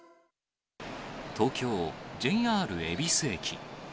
東京・ＪＲ恵比寿駅。